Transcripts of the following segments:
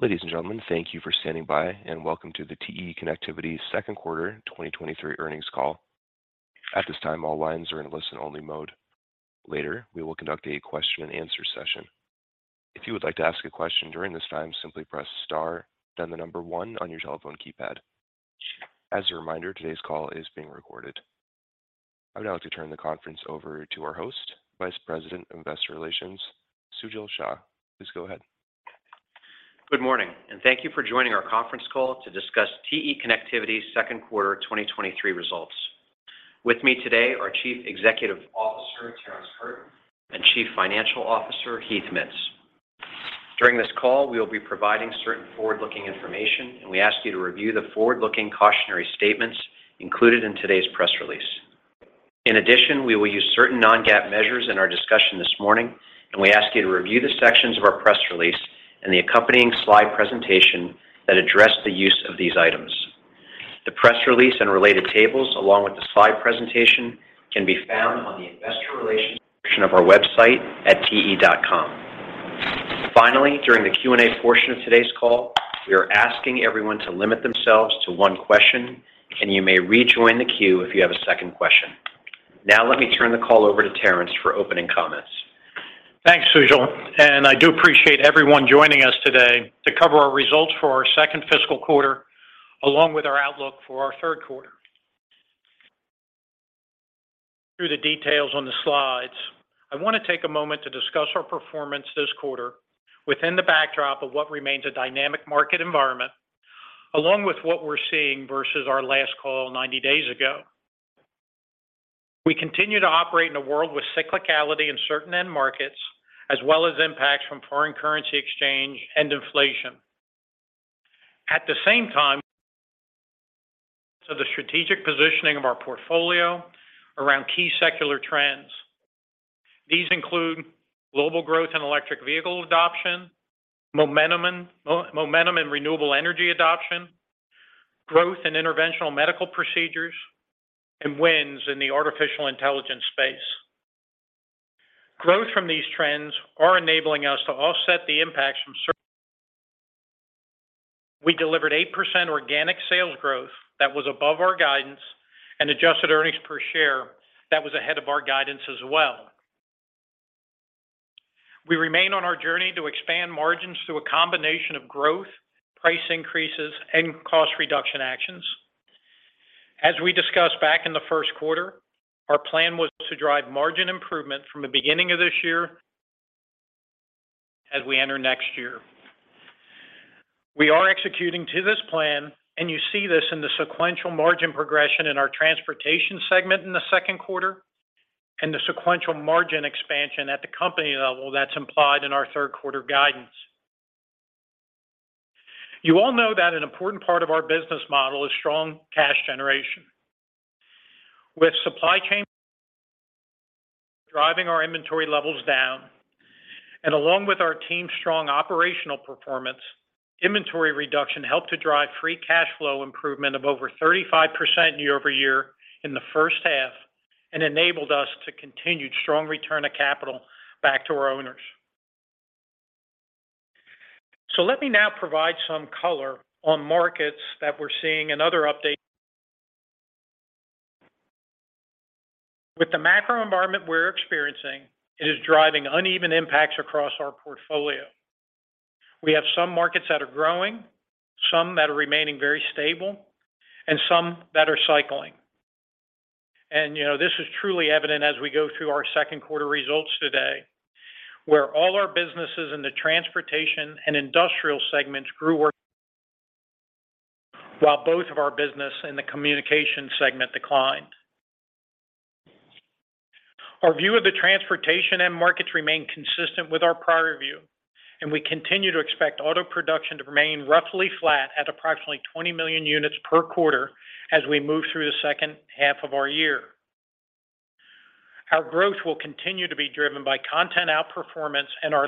Ladies and gentlemen, thank you for standing by, welcome to the TE Connectivity Second Quarter 2023 Earnings Call. At this time, all lines are in listen only mode. Later, we will conduct a question-and-answer session. If you would like to ask a question during this time, simply press star then the number one on your telephone keypad. As a reminder, today's call is being recorded. I'd now like to turn the conference over to our host, Vice President of Investor Relations, Sujal Shah. Please go ahead. Good morning, thank you for joining our conference call to discuss TE Connectivity Second Quarter 2023 Results. With me today are Chief Executive Officer, Terrence Curtin, and Chief Financial Officer, Heath Mitts. During this call, we'll be providing certain forward-looking information, and we ask you to review the forward-looking cautionary statements included in today's press release. In addition, we will use certain non-GAAP measures in our discussion this morning, and we ask you to review the sections of our press release and the accompanying slide presentation that address the use of these items. The press release and related tables, along with the slide presentation, can be found on the investor relations section of our website at te.com. Finally, during the Q&A portion of today's call, we are asking everyone to limit themselves to one question, and you may rejoin the queue if you have a second question. Let me turn the call over to Terrence for opening comments. Thanks, Sujal. I do appreciate everyone joining us today to cover our results for our second fiscal quarter, along with our outlook for our third quarter. Through the details on the slides, I want to take a moment to discuss our performance this quarter within the backdrop of what remains a dynamic market environment, along with what we're seeing versus our last call 90 days ago. We continue to operate in a world with cyclicality in certain end markets, as well as impacts from foreign currency exchange and inflation. At the same time, the strategic positioning of our portfolio around key secular trends. These include global growth in electric vehicle adoption, momentum in renewable energy adoption, growth in interventional medical procedures, and wins in the artificial intelligence space. Growth from these trends are enabling us to offset the impacts from. We delivered 8% organic sales growth that was above our guidance and adjusted EPS that was ahead of our guidance as well. We remain on our journey to expand margins through a combination of growth, price increases, and cost reduction actions. As we discussed back in the first quarter, our plan was to drive margin improvement from the beginning of this year as we enter next year. We are executing to this plan, and you see this in the sequential margin progression in our transportation segment in the second quarter and the sequential margin expansion at the company level that's implied in our third quarter guidance. You all know that an important part of our business model is strong cash generation. With supply chain driving our inventory levels down, and along with our team's strong operational performance, inventory reduction helped to drive free cash flow improvement of over 35% year-over-year in the first half and enabled us to continue strong return of capital back to our owners. Let me now provide some color on markets that we're seeing and other updates. With the macro environment we're experiencing, it is driving uneven impacts across our portfolio. We have some markets that are growing, some that are remaining very stable, and some that are cycling. you know, this is truly evident as we go through our second quarter results today, where all our businesses in the transportation and industrial segments grew. While both of our business in the communication segment declined. Our view of the transportation end markets remain consistent with our prior view. We continue to expect auto production to remain roughly flat at approximately 20 million units per quarter as we move through the second half of our year. Our growth will continue to be driven by content outperformance and our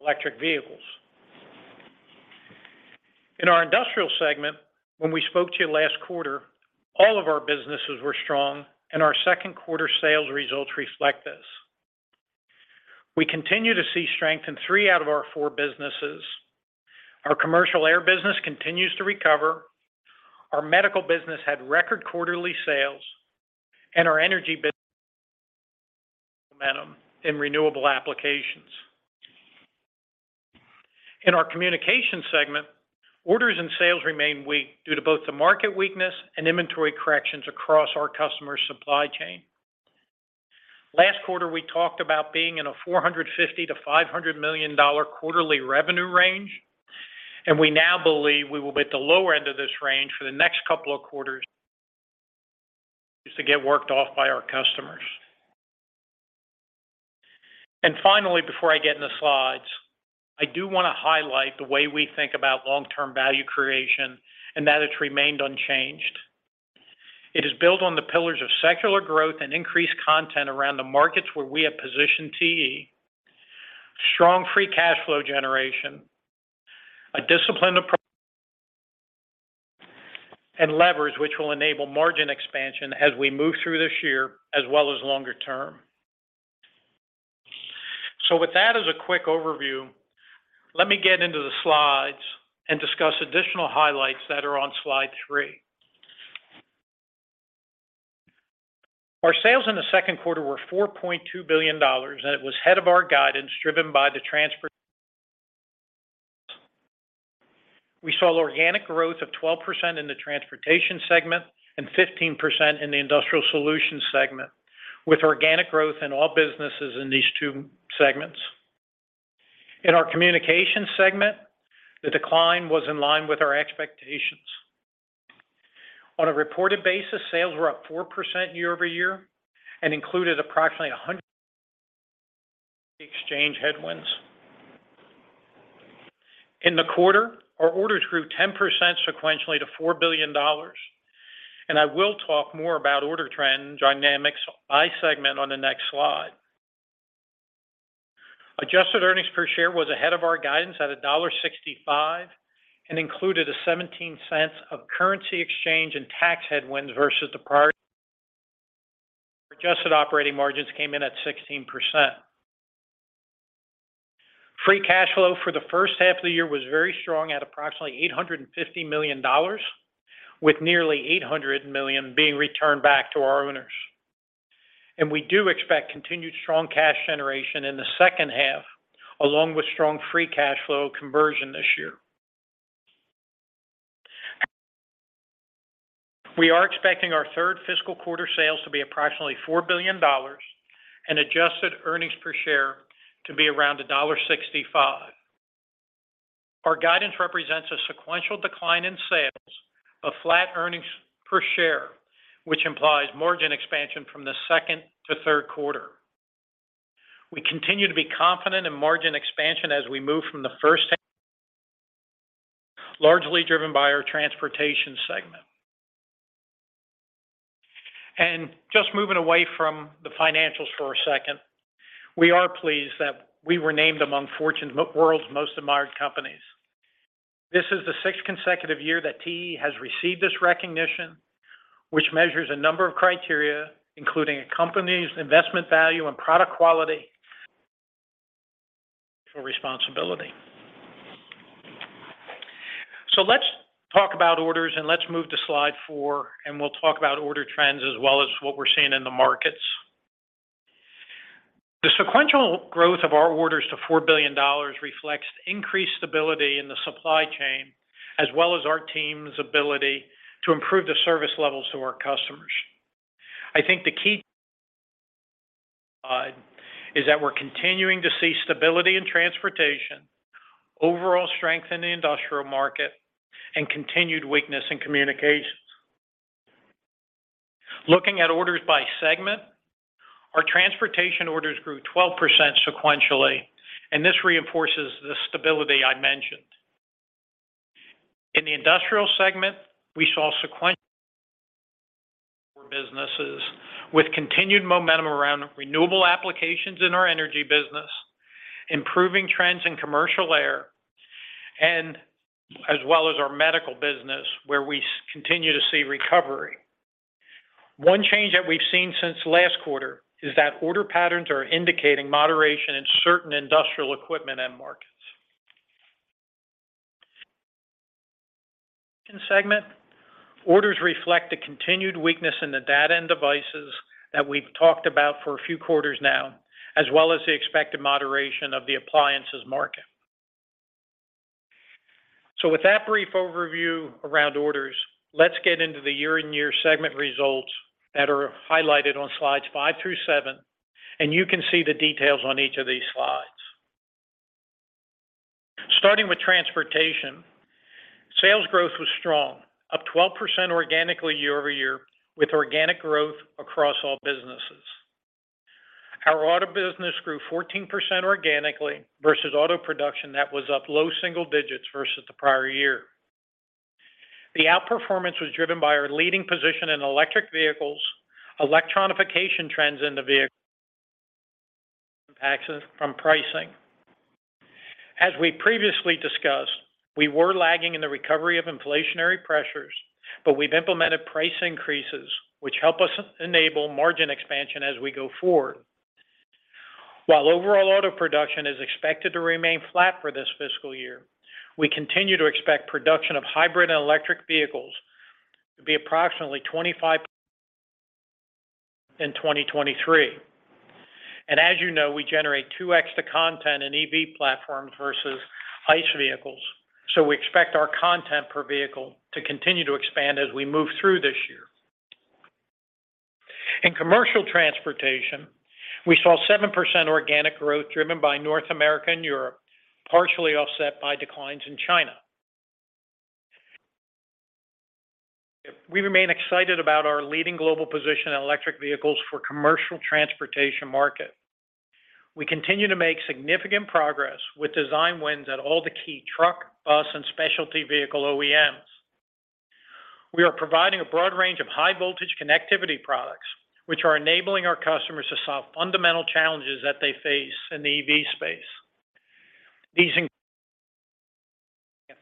electric vehicles. In our industrial segment, when we spoke to you last quarter, all of our businesses were strong, and our second quarter sales results reflect this. We continue to see strength in three out of our four businesses. Our commercial air business continues to recover. Our medical business had record quarterly sales. Our energy momentum in renewable applications. In our communication segment, orders and sales remain weak due to both the market weakness and inventory corrections across our customers' supply chain. Last quarter, we talked about being in a $450 million-$500 million quarterly revenue range, and we now believe we will be at the lower end of this range for the next couple of quarters to get worked off by our customers. Finally, before I get in the slides, I do wanna highlight the way we think about long-term value creation and that it's remained unchanged. It is built on the pillars of secular growth and increased content around the markets where we have positioned TE, strong free cash flow generation, a disciplined approach and levers which will enable margin expansion as we move through this year, as well as longer term. With that as a quick overview, let me get into the slides and discuss additional highlights that are on slide three. Our sales in the second quarter were $4.2 billion. It was ahead of our guidance driven by the transport. We saw organic growth of 12% in the transportation segment and 15% in the industrial solutions segment, with organic growth in all businesses in these two segments. In our communications segment, the decline was in line with our expectations. On a reported basis, sales were up 4% year-over-year and included approximately $100 exchange headwinds. In the quarter, our orders grew 10% sequentially to $4 billion. I will talk more about order trend dynamics by segment on the next slide. Adjusted EPS was ahead of our guidance at $1.65 and included $0.17 of currency exchange and tax headwinds versus the prior. Adjusted operating margins came in at 16%. Free cash flow for the first half of the year was very strong at approximately $850 million, with nearly $800 million being returned back to our owners. We do expect continued strong cash generation in the second half, along with strong free cash flow conversion this year. We are expecting our third fiscal quarter sales to be approximately $4 billion and adjusted EPS to be around $1.65. Our guidance represents a sequential decline in sales of flat EPS, which implies margin expansion from the second to third quarter. We continue to be confident in margin expansion as we move from the first half, largely driven by our transportation segment. Just moving away from the financials for a second, we are pleased that we were named among Fortune World's Most Admired Companies. This is the sixth consecutive year that TE has received this recognition, which measures a number of criteria, including a company's investment value and product quality for responsibility. Let's talk about orders, and let's move to slide four, and we'll talk about order trends as well as what we're seeing in the markets. The sequential growth of our orders to $4 billion reflects increased stability in the supply chain as well as our team's ability to improve the service levels to our customers. I think the key take is that we're continuing to see stability in transportation, overall strength in the industrial market, and continued weakness in communications. Looking at orders by segment, our transportation orders grew 12% sequentially, and this reinforces the stability I mentioned. In the industrial segment, we saw sequential businesses with continued momentum around renewable applications in our energy business, improving trends in commercial air, as well as our medical business, where we continue to see recovery. One change that we've seen since last quarter is that order patterns are indicating moderation in certain industrial equipment end markets. In segment, orders reflect a continued weakness in the Data & Devices that we've talked about for a few quarters now, as well as the expected moderation of the appliances market. With that brief overview around orders, let's get into the year-over-year segment results that are highlighted on slides five through seven. You can see the details on each of these slides. Starting with transportation, sales growth was strong, up 12% organically year-over-year, with organic growth across all businesses. Our auto business grew 14% organically versus auto production that was up low single digits versus the prior year. The outperformance was driven by our leading position in electric vehicles, electronification trends in the vehicle access from pricing. As we previously discussed, we were lagging in the recovery of inflationary pressures, but we've implemented price increases which help us enable margin expansion as we go forward. While overall auto production is expected to remain flat for this fiscal year, we continue to expect production of hybrid and electric vehicles to be approximately 25% in 2023. As you know, we generate 2x extra content in EV platforms versus ICE vehicles. We expect our content per vehicle to continue to expand as we move through this year. In commercial transportation, we saw 7% organic growth driven by North America and Europe, partially offset by declines in China. We remain excited about our leading global position in electric vehicles for commercial transportation market. We continue to make significant progress with design wins at all the key truck, bus, and specialty vehicle OEMs. We are providing a broad range of high voltage connectivity products, which are enabling our customers to solve fundamental challenges that they face in the EV space. These include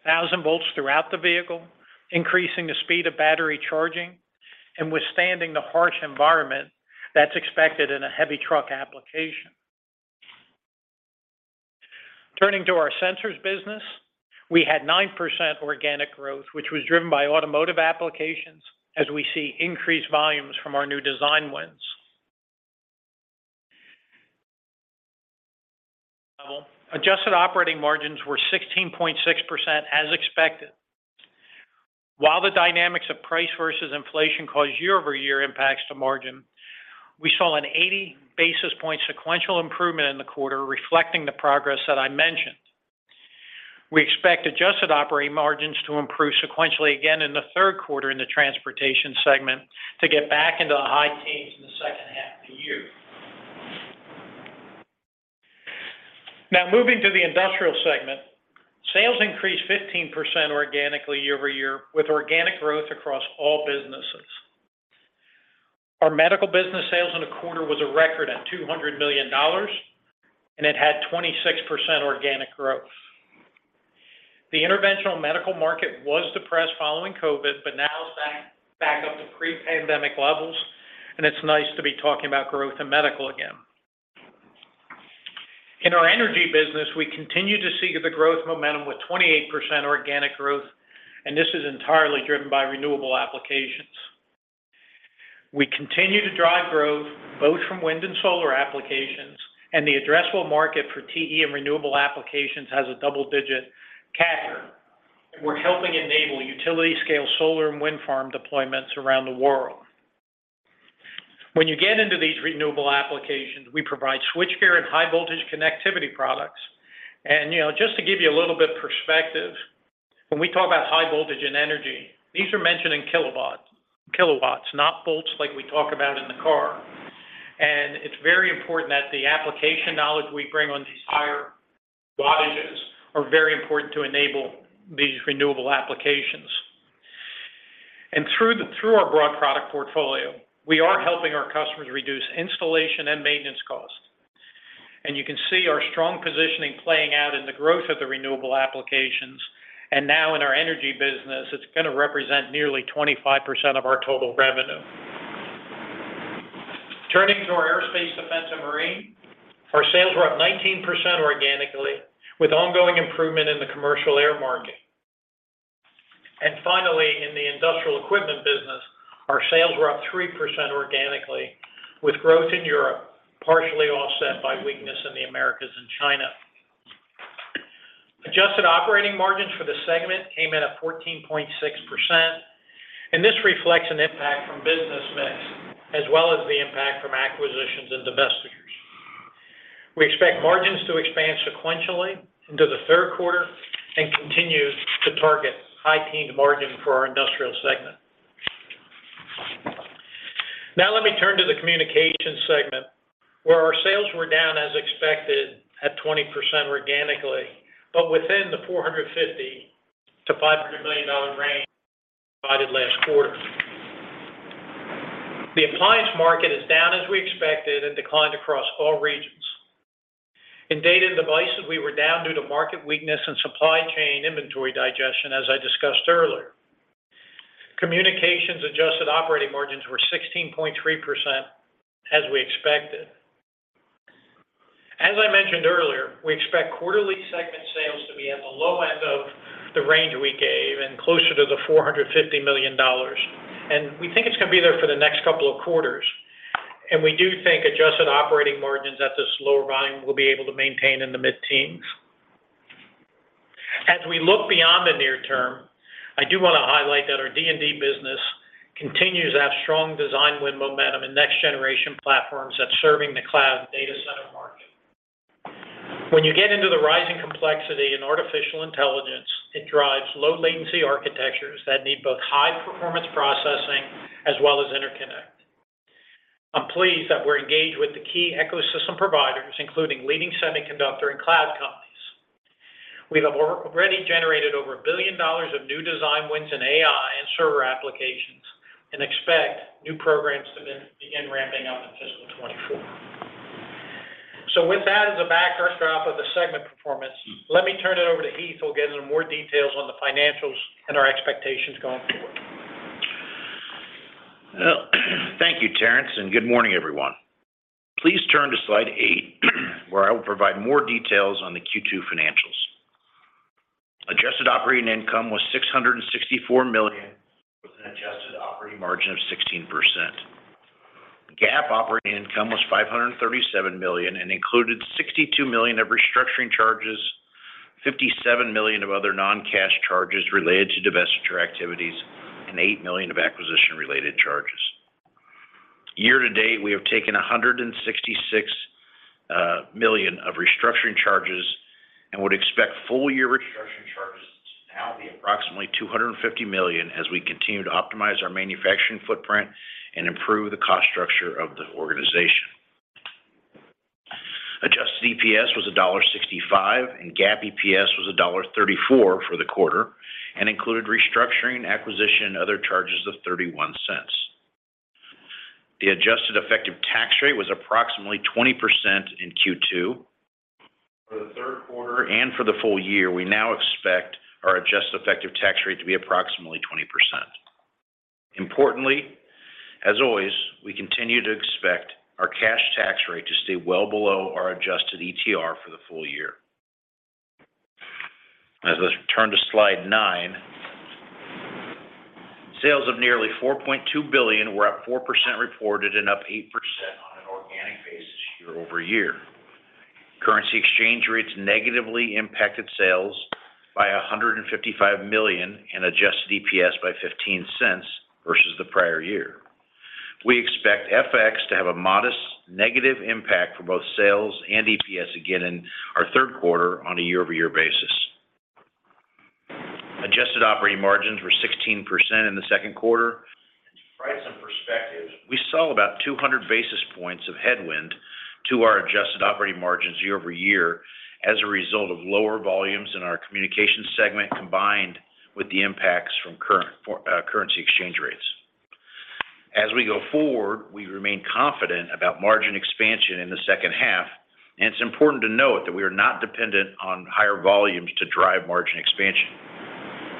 1,000 volts throughout the vehicle, increasing the speed of battery charging, and withstanding the harsh environment that's expected in a heavy truck application. Turning to our sensors business, we had 9% organic growth, which was driven by automotive applications as we see increased volumes from our new design wins. Adjusted operating margins were 16.6% as expected. While the dynamics of price versus inflation caused year-over-year impacts to margin, we saw an 80 basis point sequential improvement in the quarter reflecting the progress that I mentioned. We expect adjusted operating margins to improve sequentially again in the third quarter in the transportation segment to get back into the high teens in the second half of the year. Moving to the industrial segment, sales increased 15% organically year-over-year with organic growth across all businesses. Our medical business sales in the quarter was a record at $200 million, and it had 26% organic growth. The interventional medical market was depressed following COVID, but now is back up to pre-pandemic levels, and it's nice to be talking about growth in medical again. In our energy business, we continue to see the growth momentum with 28% organic growth, this is entirely driven by renewable applications. We continue to drive growth both from wind and solar applications, the addressable market for TE and renewable applications has a double-digit CAGR. We're helping enable utility scale solar and wind farm deployments around the world. When you get into these renewable applications, we provide switchgear and high voltage connectivity products. You know, just to give you a little bit perspective, when we talk about high voltage and energy, these are mentioned in kilowatts, not volts like we talk about in the car. It's very important that the application knowledge we bring on these higher wattages are very important to enable these renewable applications. Through our broad product portfolio, we are helping our customers reduce installation and maintenance costs. You can see our strong positioning playing out in the growth of the renewable applications. Now in our energy business, it's going to represent nearly 25% of our total revenue. Turning to our aerospace, defense, and marine, our sales were up 19% organically with ongoing improvement in the commercial air market. Finally, in the industrial equipment business, our sales were up 3% organically with growth in Europe, partially offset by weakness in the Americas and China. Adjusted operating margins for the segment came in at 14.6%. This reflects an impact from business mix as well as the impact from acquisitions and divestitures. We expect margins to expand sequentially into the third quarter and continue to target high teen margin for our industrial segment. Let me turn to the communication segment, where our sales were down as expected at 20% organically, but within the $450 million-$500 million range provided last quarter. The appliance market is down as we expected and declined across all regions. In Data & Devices, we were down due to market weakness and supply chain inventory digestion, as I discussed earlier. Communications adjusted operating margins were 16.3%, as we expected. As I mentioned earlier, we expect quarterly segment sales to be at the low end of the range we gave and closer to the $450 million. We think it's going to be there for the next couple of quarters. We do think adjusted operating margins at this lower volume will be able to maintain in the mid-teens. As we look beyond the near term, I do want to highlight that our D&D business continues to have strong design win momentum in next generation platforms that's serving the cloud data center market. When you get into the rising complexity in artificial intelligence, it drives low latency architectures that need both high-performance processing as well as interconnect. I'm pleased that we're engaged with the key ecosystem providers, including leading semiconductor and cloud companies. We have already generated over a billion dollars of new design wins in AI and server applications and expect new programs to then begin ramping up in fiscal 2024. With that as a backdrop of the segment performance, let me turn it over to Heath who will get into more details on the financials and our expectations going forward. Well, thank you, Terrence. Good morning, everyone. Please turn to slide eight where I will provide more details on the Q2 financials. Adjusted operating income was $664 million, with an adjusted operating margin of 16%. GAAP operating income was $537 million and included $62 million of restructuring charges, $57 million of other non-cash charges related to divestiture activities, and $8 million of acquisition-related charges. Year to date, we have taken $166 million of restructuring charges and would expect full-year restructuring charges to now be approximately $250 million as we continue to optimize our manufacturing footprint and improve the cost structure of the organization. Adjusted EPS was $1.65, and GAAP EPS was $1.34 for the quarter and included restructuring, acquisition, other charges of $0.31. The adjusted effective tax rate was approximately 20% in Q2. For the third quarter and for the full year, we now expect our adjusted effective tax rate to be approximately 20%. Importantly, as always, we continue to expect our cash tax rate to stay well below our adjusted ETR for the full year. Let's turn to slide 9. Sales of nearly $4.2 billion were up 4% reported and up 8% on an organic basis year-over-year. Currency exchange rates negatively impacted sales by $155 million and adjusted EPS by $0.15 versus the prior year. We expect FX to have a modest negative impact for both sales and EPS again in our third quarter on a year-over-year basis. Adjusted operating margins were 16% in the second quarter. To provide some perspective, we saw about 200 basis points of headwind to our adjusted operating margins year-over-year as a result of lower volumes in our communication segment, combined with the impacts from currency exchange rates. As we go forward, we remain confident about margin expansion in the second half, and it's important to note that we are not dependent on higher volumes to drive margin expansion.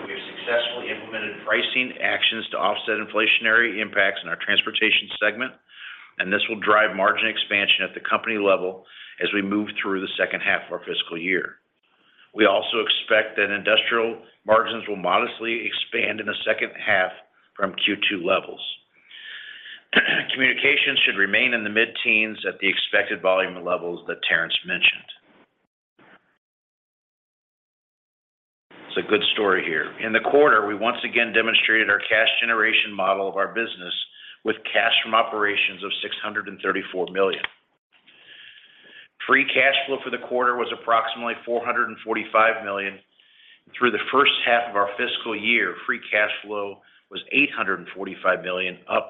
We have successfully implemented pricing actions to offset inflationary impacts in our transportation segment, and this will drive margin expansion at the company level as we move through the second half of our fiscal year. We also expect that industrial margins will modestly expand in the second half from Q2 levels. Communication should remain in the mid-teens at the expected volume levels that Terrence mentioned. It's a good story here. In the quarter, we once again demonstrated our cash generation model of our business with cash from operations of $634 million. Free cash flow for the quarter was approximately $445 million. Through the first half of our fiscal year, free cash flow was $845 million, up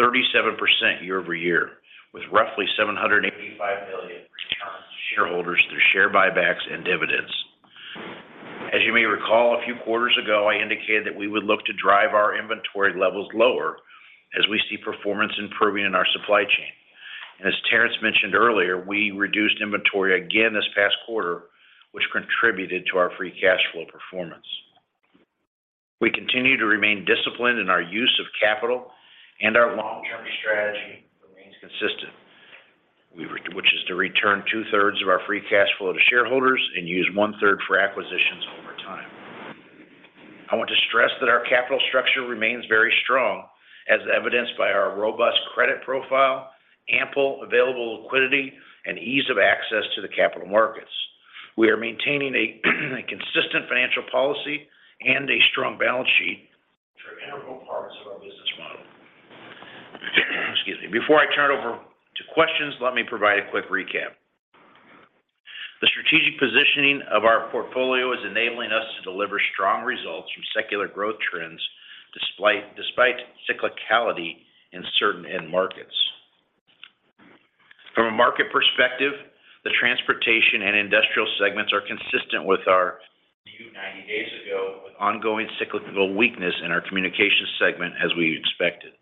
37% year-over-year, with roughly $785 million returned to shareholders through share buybacks and dividends. As you may recall, a few quarters ago, I indicated that we would look to drive our inventory levels lower as we see performance improving in our supply chain. As Terrence mentioned earlier, we reduced inventory again this past quarter, which contributed to our free cash flow performance. We continue to remain disciplined in our use of capital, and our long-term strategy remains consistent. Which is to return 2/3 of our free cash flow to shareholders and use 1/3 for acquisitions over time. I want to stress that our capital structure remains very strong, as evidenced by our robust credit profile, ample available liquidity, and ease of access to the capital markets. We are maintaining a consistent financial policy and a strong balance sheet, which are integral parts of our business model. Excuse me. Before I turn it over to questions, let me provide a quick recap. The strategic positioning of our portfolio is enabling us to deliver strong results from secular growth trends, despite cyclicality in certain end markets. From a market perspective, the transportation and industrial segments are consistent with our view 90 days ago, with ongoing cyclical weakness in our communication segment, as we expected.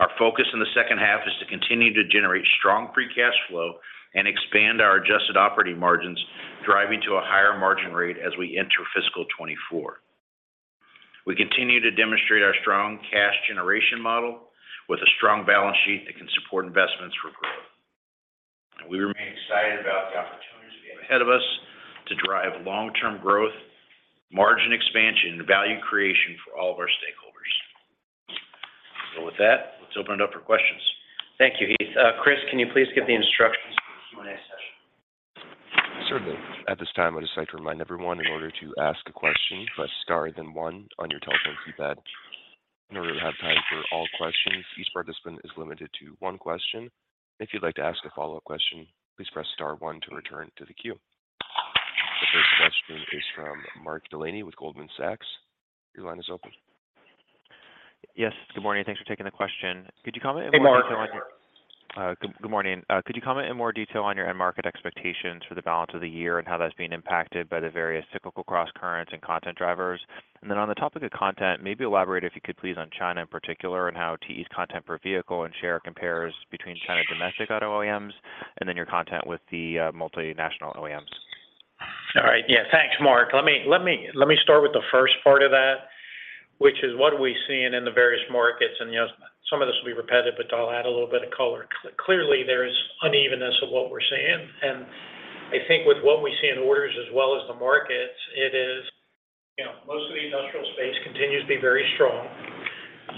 Our focus in the second half is to continue to generate strong free cash flow and expand our adjusted operating margins, driving to a higher margin rate as we enter fiscal 2024. We continue to demonstrate our strong cash generation model with a strong balance sheet that can support investments for growth. We remain excited about the opportunities we have ahead of us to drive long-term growth, margin expansion, and value creation for all of our stakeholders. With that, let's open it up for questions. Thank you, Heath. Chris, can you please give the instructions for the Q&A session? Certainly. At this time, I'd just like to remind everyone, in order to ask a question, press star then one on your telephone keypad. In order to have time for all questions, each participant is limited to one question. If you'd like to ask a follow-up question, please press star one to return to the queue. The first question is from Mark Delaney with Goldman Sachs. Your line is open. Yes. Good morning. Thanks for taking the question. Could you comment in more detail? Hey, Mark. Good morning. Could you comment in more detail on your end market expectations for the balance of the year and how that's being impacted by the various cyclical crosscurrents and content drivers? On the topic of content, maybe elaborate, if you could please, on China in particular and how TE's content per vehicle and share compares between China domestic auto OEMs and then your content with the multinational OEMs. All right. Yeah. Thanks, Mark. Let me start with the first part of that, which is what are we seeing in the various markets. You know, some of this will be repetitive, but I'll add a little bit of color. Clearly, there's unevenness of what we're seeing. I think with what we see in orders as well as the markets, it is, you know, most of the industrial space continues to be very strong.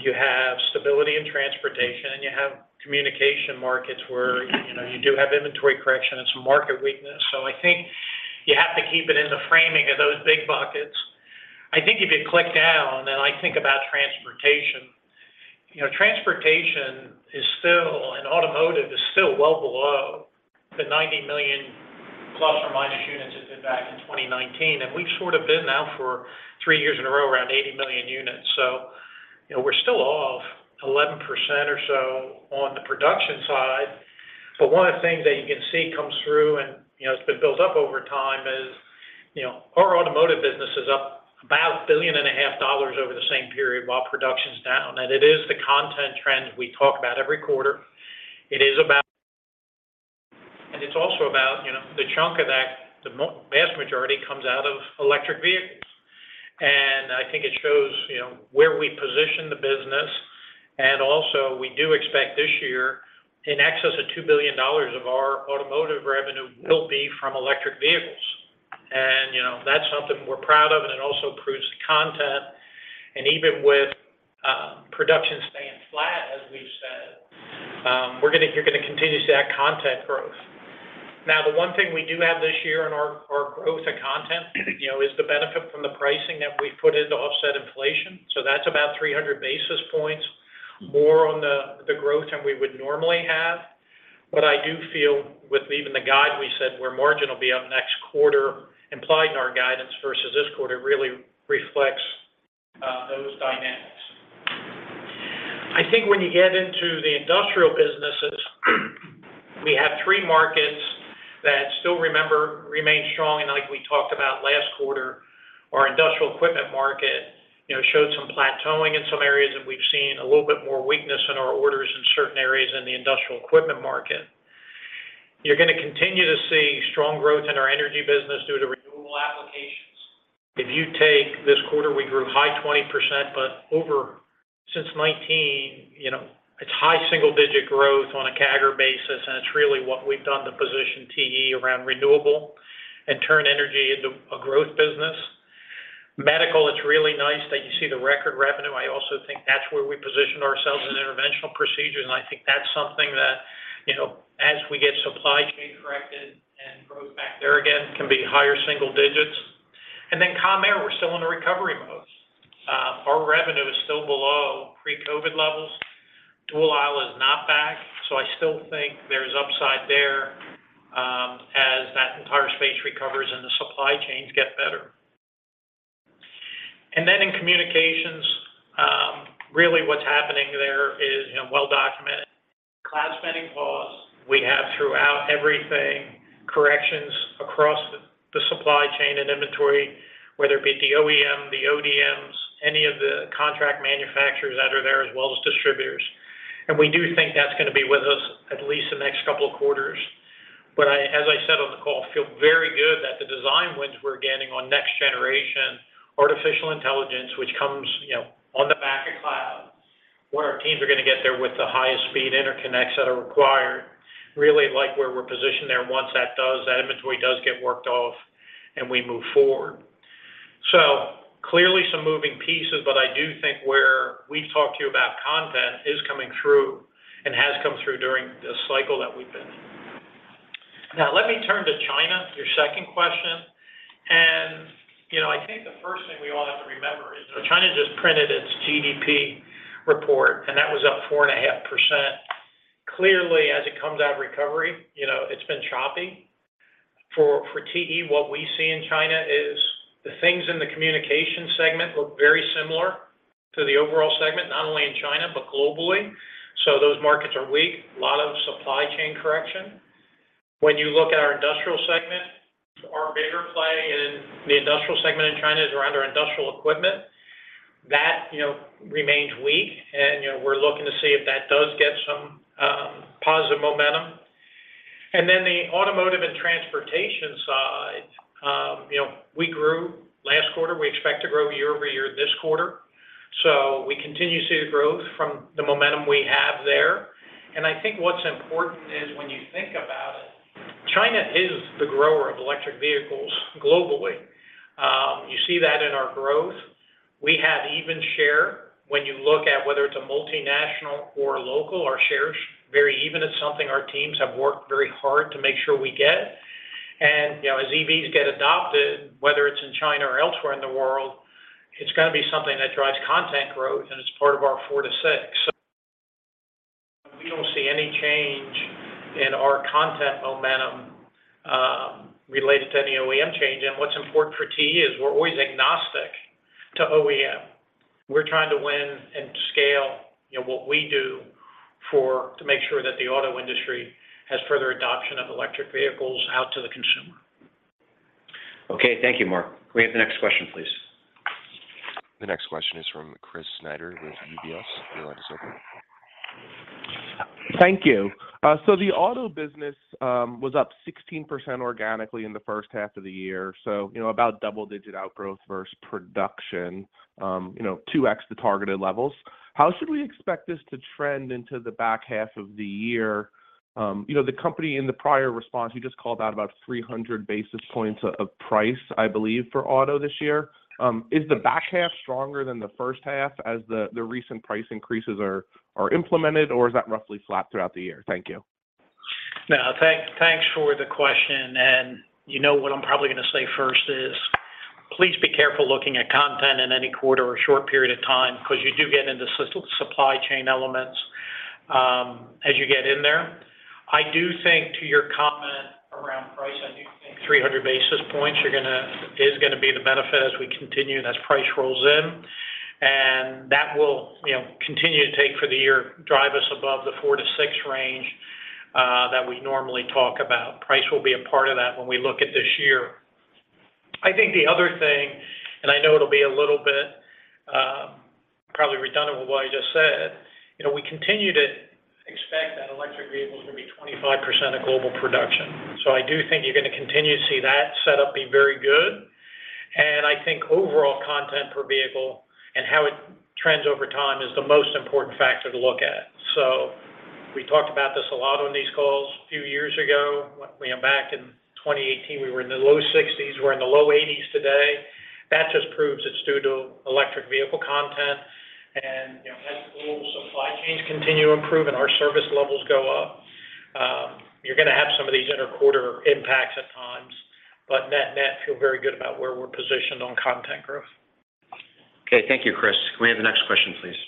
You have stability in transportation, and you have communication markets where, you know, you do have inventory correction and some market weakness. I think you have to keep it in the framing of those big buckets. I think if you click down, and I think about transportation, you know, transportation is still, and automotive is still well below the 90 million ± units it had back in 2019. We've sort of been now for three years in a row around 80 million units. You know, we're still off 11% or so on the production side. One of the things that you can see comes through and, you know, it's been built up over time is, you know, our automotive business is up about $1.5 billion over the same period while production's down. It is the content trends we talk about every quarter. It is about... It's also about, you know, the chunk of that, the vast majority comes out of electric vehicles. I think it shows, you know, where we position the business. Also, we do expect this year in excess of $2 billion of our automotive revenue will be from electric vehicles. You know, that's something we're proud of, and it also proves the content. Even with production staying flat, as we've said, you're gonna continue to see that content growth. The one thing we do have this year in our growth of content, you know, is the benefit from the pricing that we put in to offset inflation. That's about 300 basis points more on the growth than we would normally have. I do feel with even the guide we said where margin will be up next quarter, implied in our guidance versus this quarter really reflects those dynamics. I think when you get into the industrial businesses, we have three markets that still remain strong. Like we talked about last quarter, our industrial equipment market, you know, showed some plateauing in some areas, and we've seen a little bit more weakness in our orders in certain areas in the industrial equipment market. You're gonna continue to see strong growth in our energy business due to renewable applications. If you take this quarter, we grew high 20%. Over since 2019, you know, it's high single-digit growth on a CAGR basis. It's really what we've done to position TE around renewable and turn energy into a growth business. Medical, it's really nice that you see the record revenue. I also think that's where we position ourselves in interventional procedures, and I think that's something that, you know, as we get supply chain corrected and growth back there again can be higher single digits. Com Air, we're still in a recovery mode. Our revenue is still below pre-COVID levels. Dual-aisle is not back. I still think there's upside there, as that entire space recovers and the supply chains get better. In communications, really what's happening there is, you know, well documented. Cloud spending pause we have throughout everything, corrections across the supply chain and inventory, whether it be at the OEM, the ODMs, any of the contract manufacturers that are there, as well as distributors. We do think that's gonna be with us at least the next couple of quarters. I, as I said on the call, feel very good that the design wins we're getting on next generation artificial intelligence, which comes, you know, on the back of cloud, where our teams are gonna get there with the highest speed interconnects that are required, really like where we're positioned there once that inventory does get worked off and we move forward. Clearly some moving pieces, but I do think where we've talked to you about content is coming through and has come through during the cycle that we've been in. Now let me turn to China, your second question. You know, I think the first thing we all have to remember is that China just printed its GDP report, and that was up 4.5%. Clearly, as it comes out of recovery, you know, it's been choppy. For TE, what we see in China is the things in the communication segment look very similar to the overall segment, not only in China but globally. Those markets are weak, lot of supply chain correction. When you look at our industrial segment, our bigger play in the industrial segment in China is around our industrial equipment. That, you know, remains weak, and, you know, we're looking to see if that does get some positive momentum. Then the automotive and transportation side, you know, we grew last quarter. We expect to grow year-over-year this quarter. We continue to see the growth from the momentum we have there. I think what's important is when you think about it, China is the grower of electric vehicles globally. You see that in our growth. We have even share when you look at whether it's a multinational or local, our share's very even. It's something our teams have worked very hard to make sure we get. You know, as EVs get adopted, whether it's in China or elsewhere in the world, it's gonna be something that drives content growth, and it's part of our 4%-6%. We don't see any change in our content momentum related to any OEM change. What's important for TE is we're always agnostic to OEM. We're trying to win and scale, you know, what we do to make sure that the auto industry has further adoption of electric vehicles out to the consumer. Okay. Thank you, Mark. Can we have the next question, please? The next question is from Chris Snyder with UBS. Your line is open. Thank you. The auto business was up 16% organically in the first half of the year, so, you know, about double-digit outgrowth versus production, you know, 2x the targeted levels. How should we expect this to trend into the back half of the year? You know, the company in the prior response, you just called out about 300 basis points of price, I believe, for auto this year. Is the back half stronger than the first half as the recent price increases are implemented, or is that roughly flat throughout the year? Thank you. Now, thanks for the question. you know what I'm probably gonna say first is please be careful looking at content in any quarter or short period of time because you do get into supply chain elements as you get in there. I do think to your comment around price, I do think 300 basis points is gonna be the benefit as we continue and as price rolls in. That will, you know, continue to take for the year, drive us above the 4%-6% range that we normally talk about. Price will be a part of that when we look at this year. I think the other thing, and I know it'll be a little bit, probably redundant with what I just said, you know, we continue to expect that electric vehicles will be 25% of global production. I do think you're gonna continue to see that set up be very good. I think overall content per vehicle and how it trends over time is the most important factor to look at. We talked about this a lot on these calls a few years ago. You know, back in 2018, we were in the low 60s. We're in the low 80s today. That just proves it's due to electric vehicle content. You know, as global supply chains continue to improve and our service levels go up, you're gonna have some of these inter-quarter impacts at times. Net-net, feel very good about where we're positioned on content growth. Okay. Thank you, Chris. Can we have the next question, please?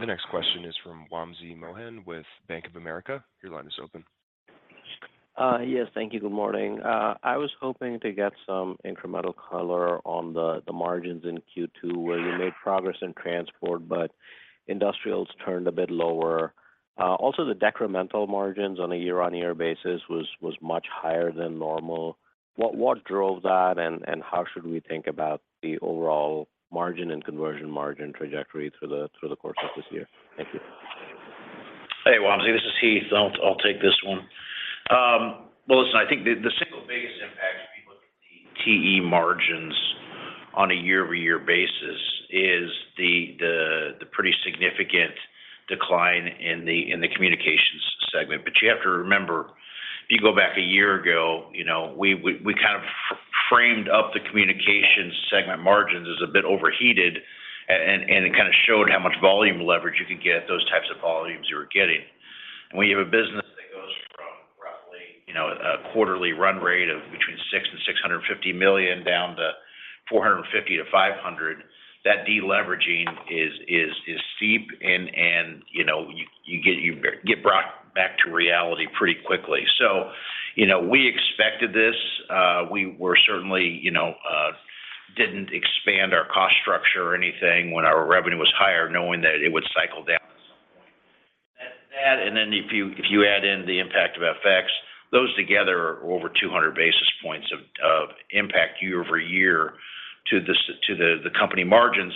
The next question is from Wamsi Mohan with Bank of America. Your line is open. Yes, thank you. Good morning. I was hoping to get some incremental color on the margins in Q2 where you made progress in transport, but industrials turned a bit lower. Also, the decremental margins on a year-on-year basis was much higher than normal. What drove that and how should we think about the overall margin and conversion margin trajectory through the course of this year? Thank you. Hey, Wamsi. This is Heath. I'll take this one. Well, listen, I think the single biggest impact if you look at the TE margins on a year-over-year basis is the pretty significant decline in the communications segment. You have to remember, if you go back a year ago, you know, we kind of framed up the communications segment margins as a bit overheated, and it kinda showed how much volume leverage you could get at those types of volumes you were getting. When you have a business that goes from roughly, you know, a quarterly run rate of between $600 million-$650 million down to $450 million-$500 million, that de-leveraging is steep and, you know, you get brought back to reality pretty quickly. You know, we expected this. We were certainly, you know, didn't expand our cost structure or anything when our revenue was higher, knowing that it would cycle down at some point. Add to that, if you, if you add in the impact of FX, those together are over 200 basis points of impact year-over-year to the company margins.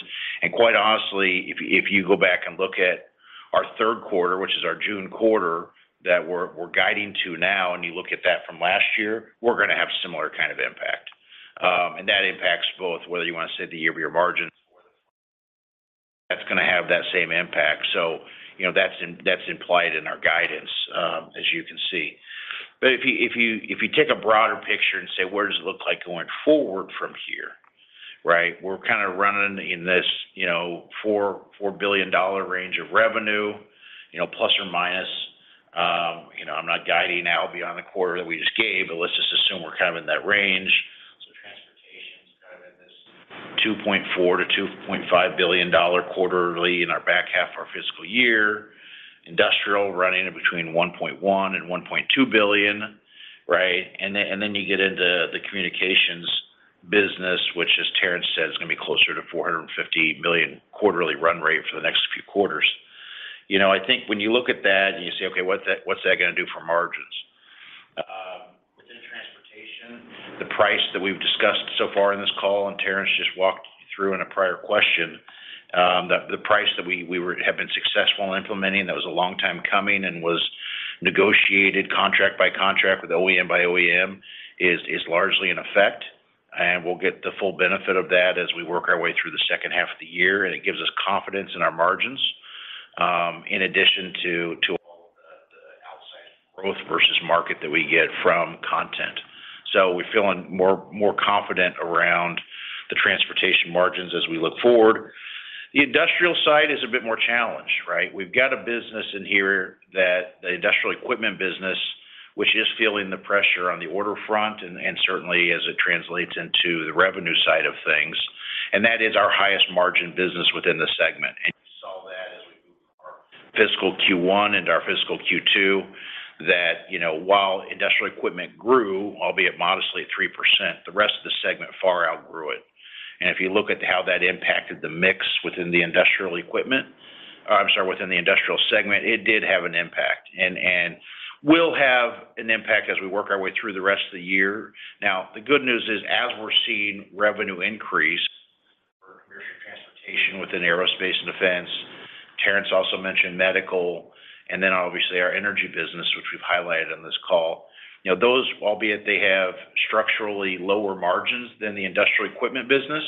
Quite honestly, if you go back and look at our third quarter, which is our June quarter that we're guiding to now, and you look at that from last year, we're gonna have similar kind of impact. And that impacts both, whether you wanna say the year-over-year margin. That's gonna have that same impact. You know, that's implied in our guidance, as you can see. If you take a broader picture and say, where does it look like going forward from here, right? We're kind of running in this, you know, $4 billion range of revenue, you know, ±. You know, I'm not guiding out beyond the quarter that we just gave, but let's just assume we're kind of in that range. Transportation's kind of in this $2.4 billion-$2.5 billion quarterly in our back half of our fiscal year. Industrial running between $1.1 billion and $1.2 billion, right? You get into the communications business, which, as Terrence said, is going to be closer to $450 million quarterly run rate for the next few quarters. You know, I think when you look at that and you say, "Okay, what's that, what's that gonna do for margins?" Within transportation, the price that we've discussed so far in this call, and Terrence just walked you through in a prior question, the price that we have been successful in implementing, that was a long time coming and was negotiated contract by contract with OEM by OEM, is largely in effect. We'll get the full benefit of that as we work our way through the second half of the year. It gives us confidence in our margins, in addition to all of the outside growth versus market that we get from content. We're feeling more confident around the transportation margins as we look forward. The industrial side is a bit more challenged, right? We've got a business in here that the industrial equipment business, which is feeling the pressure on the order front and certainly as it translates into the revenue side of things. That is our highest margin business within the segment. You saw that as we moved from our fiscal Q1 into our fiscal Q2, that, you know, while industrial equipment grew, albeit modestly at 3%, the rest of the segment far outgrew it. If you look at how that impacted the mix within the industrial equipment, or I'm sorry, within the industrial segment, it did have an impact. Will have an impact as we work our way through the rest of the year. The good news is, as we're seeing revenue increase for commercial transportation within aerospace and defense, Terrence also mentioned medical, and then obviously our energy business, which we've highlighted on this call. You know, those, albeit they have structurally lower margins than the industrial equipment business,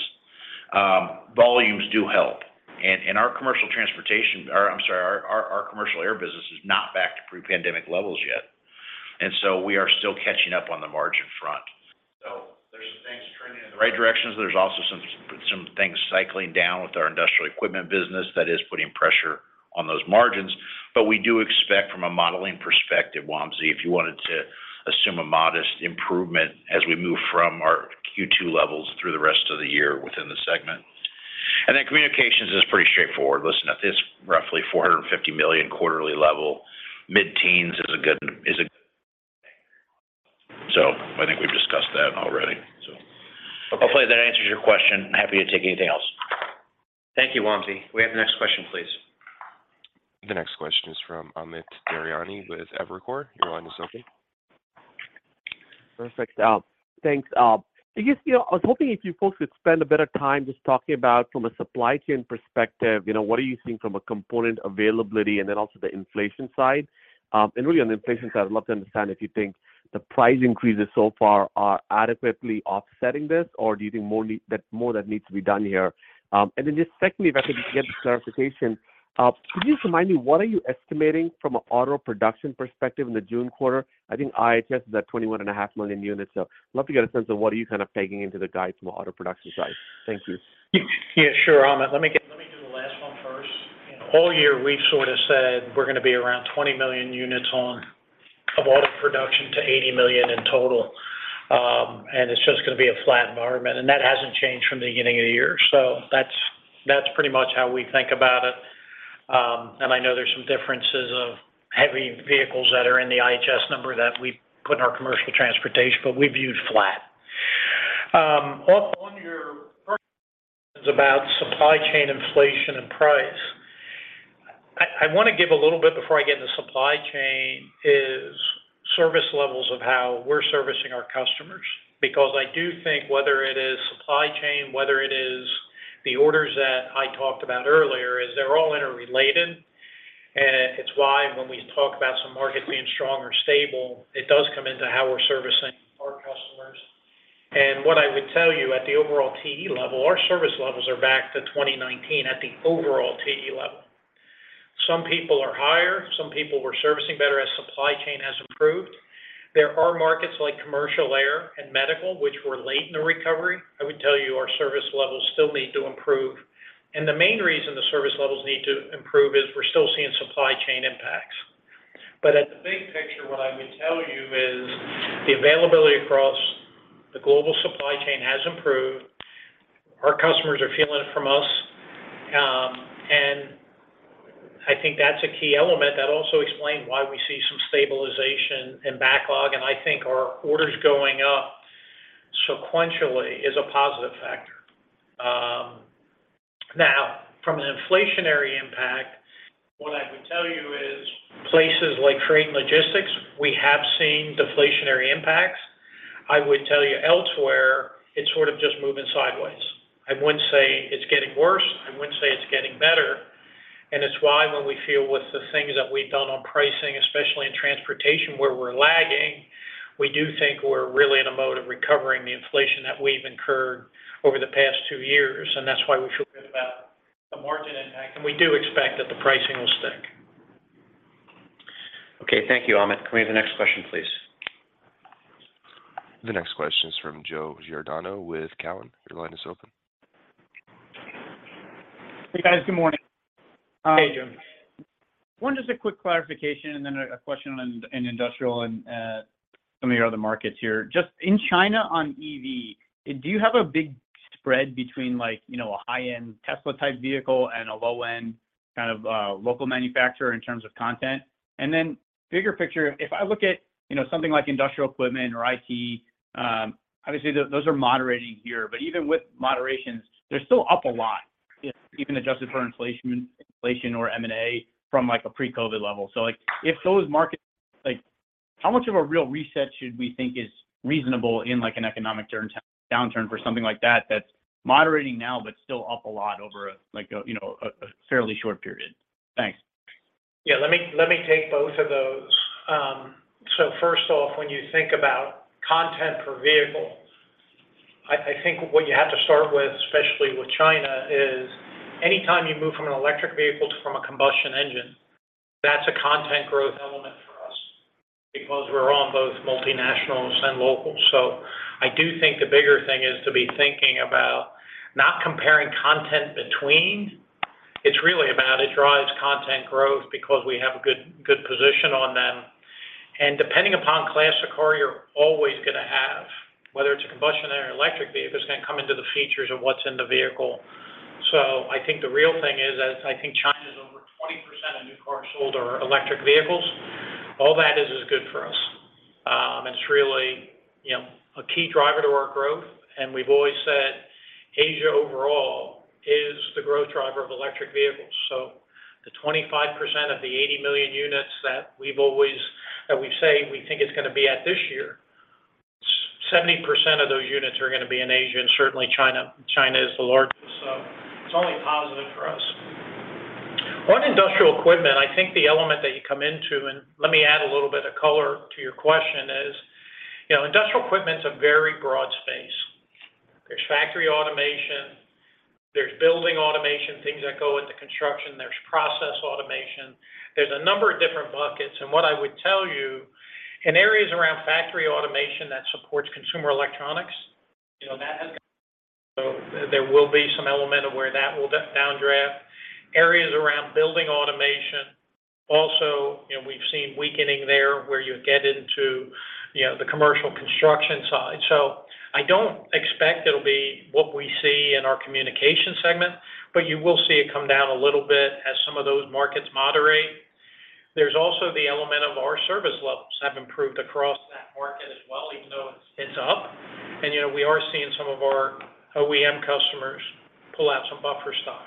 volumes do help. Our commercial transportation, or I'm sorry, our commercial air business is not back to pre-pandemic levels yet. We are still catching up on the margin front. There's some things trending in the right directions. There's also some things cycling down with our industrial equipment business that is putting pressure on those margins. We do expect from a modeling perspective, Wamsi, if you wanted to assume a modest improvement as we move from our Q2 levels through the rest of the year within the segment. Communications is pretty straightforward. Listen, it's roughly $450 million quarterly level. Mid-teens is a good. I think we've discussed that already. Hopefully, that answers your question. Happy to take anything else. Thank you, Wamsi. Can we have the next question, please. The next question is from Amit Daryanani with Evercore. Your line is open. Perfect. Thanks. I guess, you know, I was hoping if you folks could spend a better time just talking about from a supply chain perspective, you know, what are you seeing from a component availability and then also the inflation side? Really on the inflation side, I'd love to understand if you think the price increases so far are adequately offsetting this, or do you think that more that needs to be done here? Then just secondly, if I could just get the clarification, could you just remind me what are you estimating from an auto production perspective in the June quarter? I think IHS is at 21.5 million units. Love to get a sense of what are you kind of taking into the guide from an auto production side. Thank you. Yeah, sure, Amit. Let me do the last one first. All year, we've sort of said we're gonna be around 20 million units of auto production to 80 million in total. It's just gonna be a flat environment, and that hasn't changed from the beginning of the year. That's pretty much how we think about it. I know there's some differences of heavy vehicles that are in the IHS number that we put in our commercial transportation, but we viewed flat. On your first about supply chain inflation and price. I wanna give a little bit before I get into supply chain is service levels of how we're servicing our customers. Because I do think whether it is supply chain, whether it is the orders that I talked about earlier, is they're all interrelated. It's why when we talk about some markets being strong or stable, it does come into how we're servicing our customers. What I would tell you at the overall TE level, our service levels are back to 2019 at the overall TE level. Some people are higher, some people we're servicing better as supply chain has improved. There are markets like commercial air and medical, which were late in the recovery. I would tell you our service levels still need to improve. The main reason the service levels need to improve is we're still seeing supply chain impacts. At the big picture, what I would tell you is the availability across the global supply chain has improved. Our customers are feeling it from us, and I think that's a key element that also explained why we see some stabilization and backlog. I think our orders going up sequentially is a positive factor. Now, from an inflationary impact, what I would tell you is places like trade and logistics, we have seen deflationary impacts. I would tell you elsewhere, it's sort of just moving sideways. I wouldn't say it's getting worse, I wouldn't say it's getting better. It's why when we feel with the things that we've done on pricing, especially in transportation, where we're lagging, we do think we're really in a mode of recovering the inflation that we've incurred over the past 2 years, and that's why we feel good about the margin impact. We do expect that the pricing will stick. Okay. Thank you, Amit. Can we have the next question, please? The next question is from Joe Giordano with TD Cowen. Your line is open. Hey, guys. Good morning. Hey, Joe. One just a quick clarification and then a question on in industrial and some of your other markets here. Just in China on EV, do you have a big spread between like, you know, a high-end Tesla type vehicle and a low-end kind of local manufacturer in terms of content? Bigger picture, if I look at, you know, something like industrial equipment or IT, obviously, those are moderating here. Even with moderations, they're still up a lot, even adjusted for inflation or M&A from like a pre-COVID level. If those markets... Like, how much of a real reset should we think is reasonable in like an economic downturn for something like that's moderating now but still up a lot over like a, you know, a fairly short period? Thanks. Yeah, let me take both of those. First off, when you think about content per vehicle, I think what you have to start with, especially with China, is anytime you move from an electric vehicle to from a combustion engine, that's a content growth element for us because we're on both multinationals and locals. I do think the bigger thing is to be thinking about not comparing content between. It's really about it drives content growth because we have a good position on them. Depending upon class of car you're always gonna have, whether it's a combustion or an electric vehicle, it's gonna come into the features of what's in the vehicle. I think the real thing is, as I think China's over 20% of new cars sold are electric vehicles. All that is good for us. It's really, you know, a key driver to our growth. We've always said Asia overall is the growth driver of electric vehicles. The 25% of the 80 million units that we've said we think it's gonna be at this year, 70% of those units are gonna be in Asia, and certainly China. China is the largest, so it's only positive for us. On industrial equipment, I think the element that you come into, and let me add a little bit of color to your question is, you know, industrial equipment's a very broad space. There's factory automation, there's building automation, things that go into construction, there's process automation. There's a number of different buckets. What I would tell you, in areas around factory automation that supports consumer electronics, you know, that has. There will be some element of where that will downdraft. Areas around building automation. Also, you've seen weakening there where you get into, you know, the commercial construction side. I don't expect it'll be what we see in our communication segment, but you will see it come down a little bit as some of those markets moderate. There's also the element of our service levels have improved across that market as well, even though it's up. You know, we are seeing some of our OEM customers pull out some buffer stock.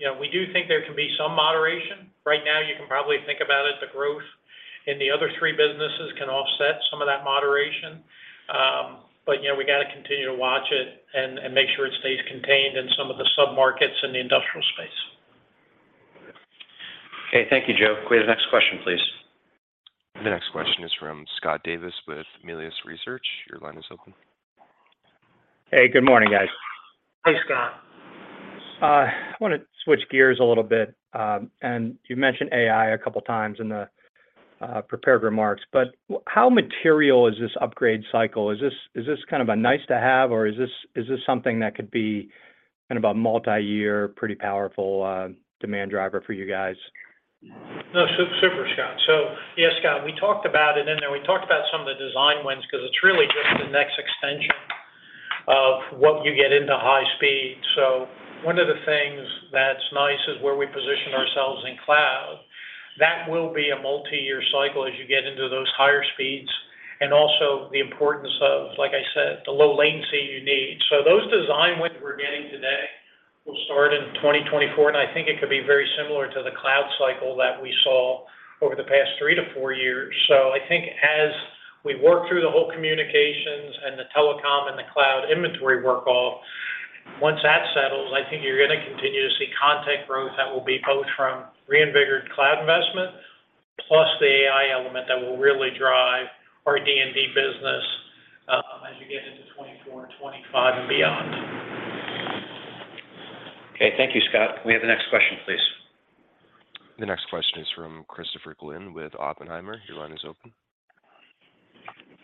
You know, we do think there can be some moderation. Right now, you can probably think about it, the growth in the other three businesses can offset some of that moderation. You know, we got to continue to watch it and make sure it stays contained in some of the sub-markets in the industrial space. Okay. Thank you, Joe. Can we have the next question, please? The next question is from Scott Davis with Melius Research. Your line is open. Hey, good morning, guys. Hey, Scott. I wanna switch gears a little bit, and you mentioned AI a couple of times in the prepared remarks. How material is this upgrade cycle? Is this kind of a nice to have, or is this something that could be kind of a multi-year, pretty powerful, demand driver for you guys? No. Super, Scott. Yes, Scott, we talked about it in there. We talked about some of the design wins because it's really just the next extension of what you get into high speed. One of the things that's nice is where we position ourselves in cloud. That will be a multi-year cycle as you get into those higher speeds. Also the importance of, like I said, the low latency you need. Those design wins we're getting today will start in 2024, and I think it could be very similar to the cloud cycle that we saw over the past three-four years. I think as we work through the whole communications and the telecom and the cloud inventory work off, once that settles, I think you're gonna continue to see content growth that will be both from reinvigorated cloud investment plus the AI element that will really drive our D&D business, as you get into 2024 and 2025 and beyond. Okay. Thank you, Scott. Can we have the next question, please? The next question is from Christopher Glynn with Oppenheimer. Your line is open.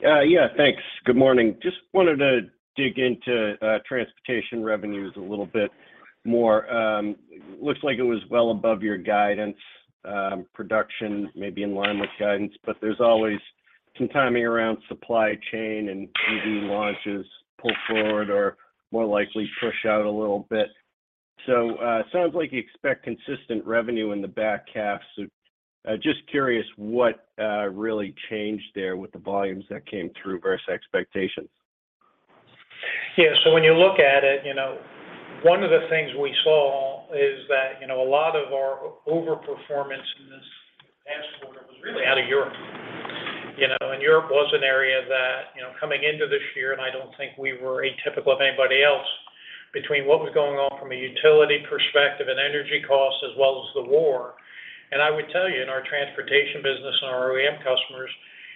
Yeah, thanks. Good morning. Just wanted to dig into transportation revenues a little bit more. Looks like it was well above your guidance. Production may be in line with guidance, but there's always some timing around supply chain and EV launches pull forward or more likely push out a little bit. Sounds like you expect consistent revenue in the back half. Just curious what really changed there with the volumes that came through versus expectations. When you look at it, you know, one of the things we saw is that, you know, a lot of our over performance in this past quarter was really out of Europe. You know, Europe was an area that, you know, coming into this year, and I don't think we were atypical of anybody else between what was going on from a utility perspective and energy costs as well as the war. I would tell you, in our transportation business and our OEM customers,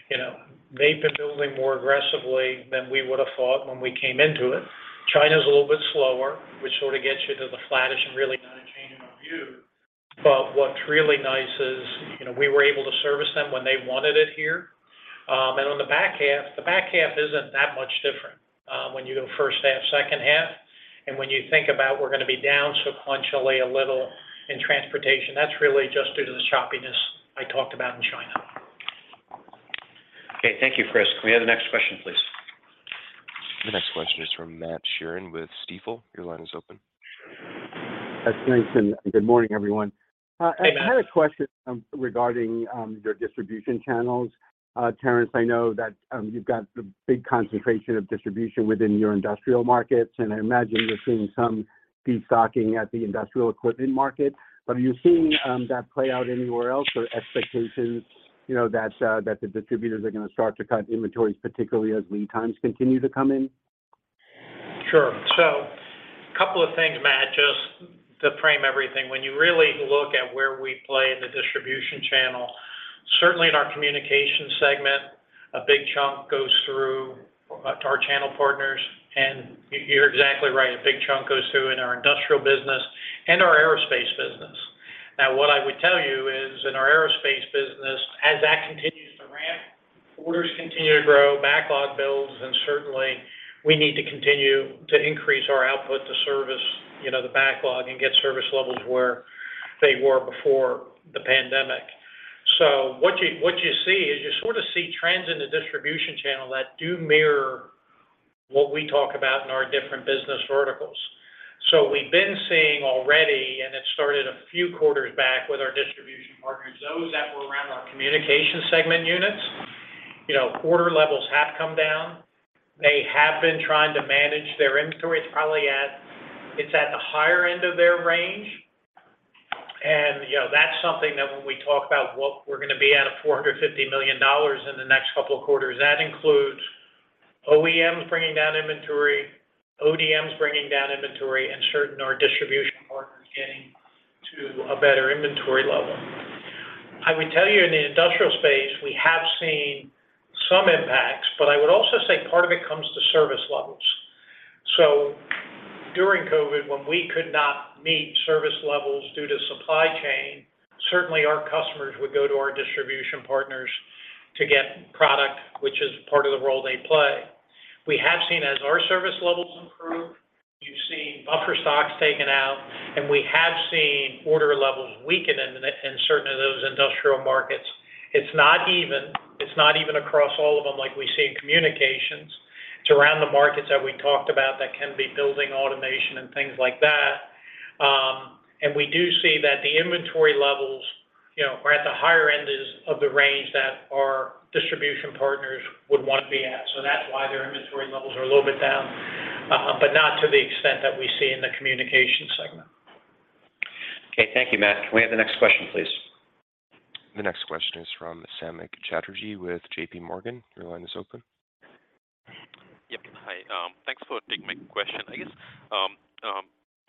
you know, they've been building more aggressively than we would have thought when we came into it. China's a little bit slower, which sort of gets you to the flattish and really not a change in our view. What's really nice is, you know, we were able to service them when they wanted it here. On the back half, the back half isn't that much different, when you go first half, second half. When you think about we're gonna be down sequentially a little in transportation, that's really just due to the choppiness I talked about in China. Okay. Thank you, Chris. Can we have the next question, please? The next question is from Matt Sheerin with Stifel. Your line is open. Thanks, and good morning, everyone. Hey, Matt. I had a question regarding your distribution channels. Terrence, I know that you've got the big concentration of distribution within your industrial markets, and I imagine you're seeing some destocking at the industrial equipment market. Are you seeing that play out anywhere else or expectations that the distributors are gonna start to cut inventories, particularly as lead times continue to come in? Sure. A couple of things, Matt, just to frame everything. When you really look at where we play in the distribution channel, certainly in our communication segment, a big chunk goes through to our channel partners. You're exactly right, a big chunk goes through in our industrial business and our aerospace business. What I would tell you is in our aerospace business, as that continues to ramp, orders continue to grow, backlog builds, and certainly we need to continue to increase our output to service, you know, the backlog and get service levels where they were before the pandemic. What you see is you sort of see trends in the distribution channel that do mirror what we talk about in our different business verticals. We've been seeing already, and it started a few quarters back with our distribution partners, those that were around our communication segment units. You know, order levels have come down. They have been trying to manage their inventory. It's probably at, it's at the higher end of their range. You know, that's something that when we talk about what we're gonna be at a $450 million in the next couple of quarters, that includes OEMs bringing down inventory, ODMs bringing down inventory, and certain our distribution partners getting to a better inventory level. I would tell you in the industrial space, we have seen some impacts, but I would also say part of it comes to service levels. During COVID, when we could not meet service levels due to supply chain, certainly our customers would go to our distribution partners to get. Which is part of the role they play. We have seen as our service levels improve, you've seen buffer stocks taken out, and we have seen order levels weaken in certain of those industrial markets. It's not even across all of them like we see in communications. It's around the markets that we talked about that can be building automation and things like that. We do see that the inventory levels, you know, are at the higher end of the range that our distribution partners would want to be at. That's why their inventory levels are a little bit down, but not to the extent that we see in the communication segment. Okay. Thank you, Matt. Can we have the next question, please? The next question is from Samik Chatterjee with JPMorgan. Your line is open. Yep. Hi. Thanks for taking my question. I guess,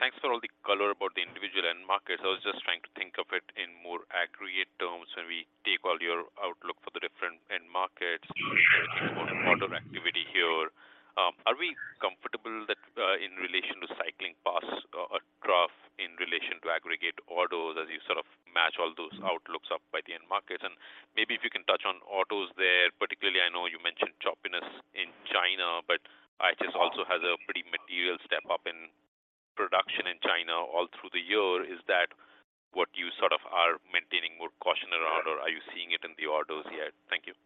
thanks for all the color about the individual end markets. I was just trying to think of it in more aggregate terms when we take all your outlook for the different end markets, export and order activity here. Are we comfortable that, in relation to cycling paths or trough in relation to aggregate autos as you sort of match all those outlooks up by the end markets? Maybe if you can touch on autos there. Particularly, I know you mentioned choppiness in China, but IHS also has a pretty material step up in production in China all through the year. Is that what you sort of are maintaining more caution around, or are you seeing it in the autos yet? Thank you.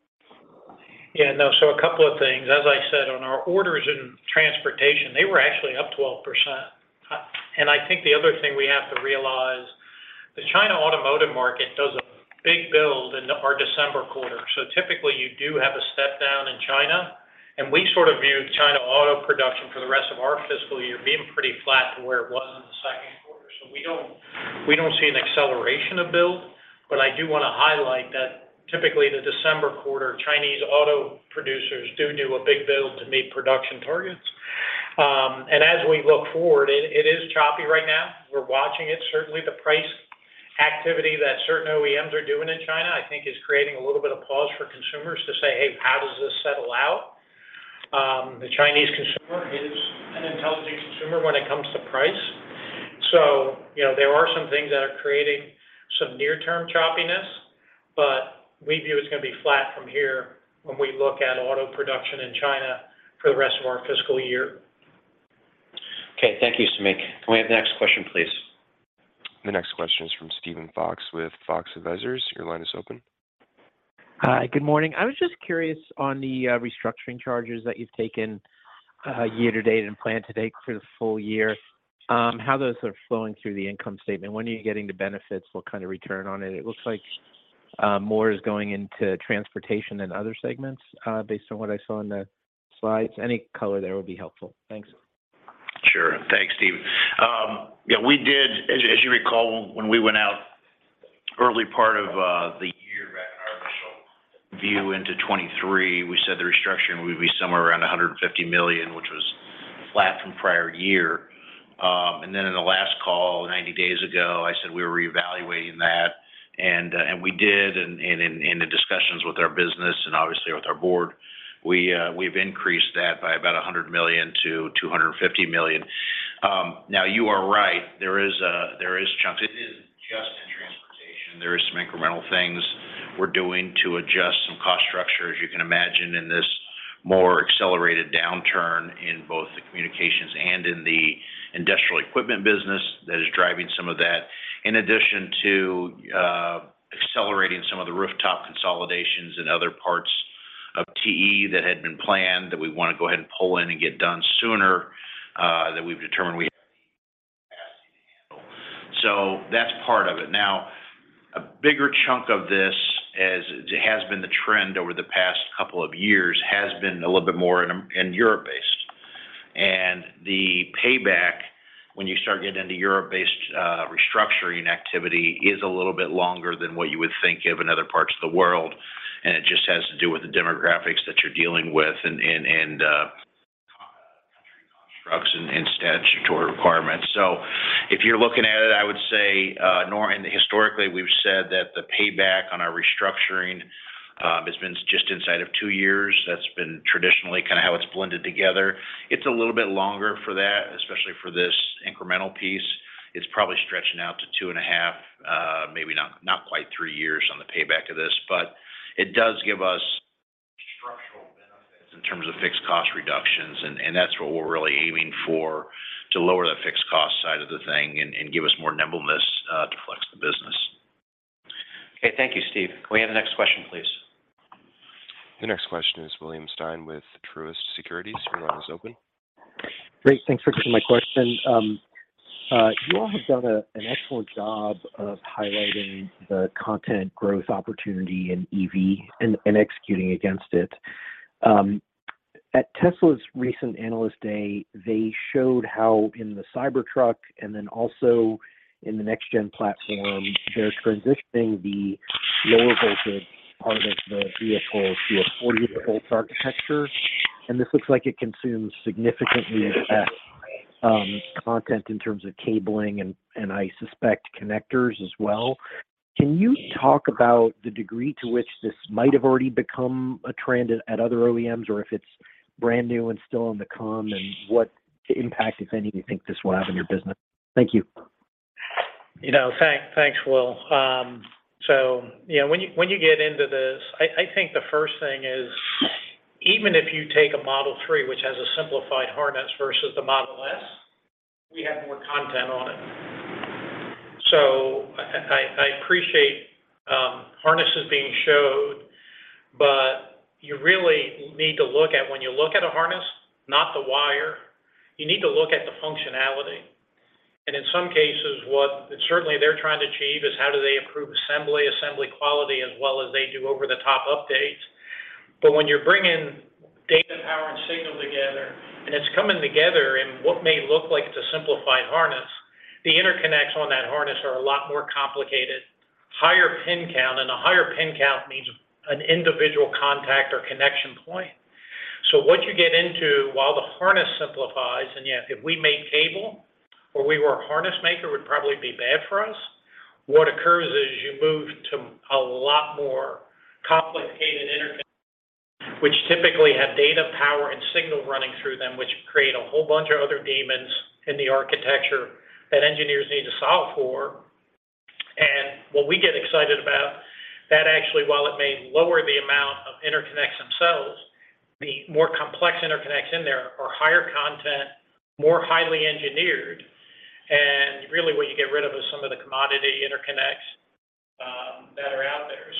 Yeah. No. A couple of things. As I said on our orders in transportation, they were actually up 12%. I think the other thing we have to realize, the China automotive market does a big build in our December quarter. Typically, you do have a step down in China, and we sort of view China auto production for the rest of our fiscal year being pretty flat to where it was in the second quarter. We don't see an acceleration of build. I do wanna highlight that typically the December quarter, Chinese auto producers do a big build to meet production targets. As we look forward, it is choppy right now. We're watching it. Certainly, the price activity that certain OEMs are doing in China, I think is creating a little bit of pause for consumers to say, "Hey, how does this settle out?" The Chinese consumer is an intelligent consumer when it comes to price. You know, there are some things that are creating some near term choppiness, but we view it's gonna be flat from here when we look at auto production in China for the rest of our fiscal year. Okay. Thank you, Samik. Can we have the next question, please? The next question is from Steven Fox with Fox Advisors. Your line is open. Hi. Good morning. I was just curious on the restructuring charges that you've taken, year to date and plan to date for the full year, how those are flowing through the income statement. When are you getting the benefits? What kind of return on it? It looks like more is going into transportation than other segments, based on what I saw in the slides. Any color there will be helpful. Thanks. Sure. Thanks, Steve. We did. As you recall, when we went out early part of the year back in our initial view into 2023, we said the restructuring would be somewhere around $150 million, which was flat from prior year. In the last call 90 days ago, I said we were reevaluating that. We did. In the discussions with our business and obviously with our board, we've increased that by about $100 million-$250 million. Now you are right. There is chunks. It isn't just in transportation. There is some incremental things we're doing to adjust some cost structure, as you can imagine, in this more accelerated downturn in both the communications and in the industrial equipment business that is driving some of that. In addition to, accelerating some of the rooftop consolidations in other parts of TE that had been planned that we wanna go ahead and pull in and get done sooner, that we've determined we have the capacity to handle. That's part of it. A bigger chunk of this, as has been the trend over the past couple of years, has been a little bit more in Europe-based. The payback when you start getting into Europe-based, restructuring activity is a little bit longer than what you would think of in other parts of the world, and it just has to do with the demographics that you're dealing with and country constructs and statutory requirements. If you're looking at it, I would say, nor... Historically, we've said that the payback on our restructuring has been just inside of two years. That's been traditionally kinda how it's blended together. It's a little bit longer for that, especially for this incremental piece. It's probably stretching out to two and a half, maybe not quite three years on the payback of this. It does give us structural benefits in terms of fixed cost reductions, and that's what we're really aiming for, to lower the fixed cost side of the thing and give us more nimbleness to flex the business. Okay. Thank you, Steve. Can we have the next question, please? The next question is William Stein with Truist Securities. Your line is open. Great. Thanks for taking my question. You all have done an excellent job of highlighting the content growth opportunity in EV and executing against it. At Tesla's recent Analyst Day, they showed how in the Cybertruck and also in the next gen platform, they're transitioning the lower voltage part of the vehicle to a 400 volts architecture, this looks like it consumes significantly content in terms of cabling and I suspect connectors as well. Can you talk about the degree to which this might have already become a trend at other OEMs, or if it's brand new and still on the come, what impact, if any, you think this will have in your business? Thank you. You know, thanks, Will. Yeah, when you, when you get into this, I think the first thing is even if you take a Model 3, which has a simplified harness versus the Model S, we have more content on it. I appreciate harnesses being showed, but you really need to look at when you look at a harness, not the wire, you need to look at the functionality. In some cases, what certainly they're trying to achieve is how do they improve assembly quality as well as they do over the top updates. When you're bringing data, power, and signal together, and it's coming together in what may look like it's a simplified harness, the interconnects on that harness are a lot more complicated, higher pin count, and a higher pin count means an individual contact or connection point. What you get into while the harness simplifies, and yeah, if we made cable or we were a harness maker, it would probably be bad for us. What occurs is you move to a lot more complicated interconnect, which typically have data, power, and signal running through them, which create a whole bunch of other demons in the architecture that engineers need to solve for. What we get excited about, that actually, while it may lower the amount of interconnects themselves, the more complex interconnects in there are higher content, more highly engineered. Really, what you get rid of is some of the commodity interconnects that are out there.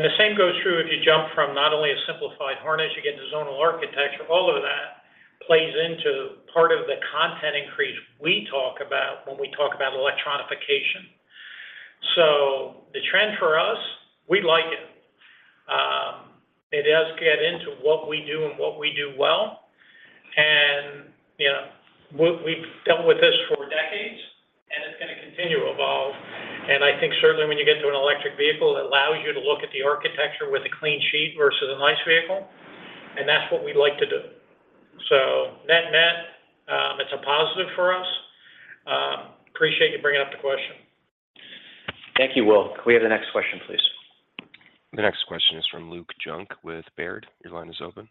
The same goes true if you jump from not only a simplified harness, you get the zonal architecture. All of that plays into part of the content increase we talk about when we talk about electronification. The trend for us, we like it. It does get into what we do and what we do well. You know, we've dealt with this for decades, and it's gonna continue to evolve. I think certainly when you get to an electric vehicle, it allows you to look at the architecture with a clean sheet versus an ICE vehicle. That's what we like to do. Net-net, it's a positive for us. Appreciate you bringing up the question. Thank you, Will. Can we have the next question, please? The next question is from Luke Junk with Baird. Your line is open.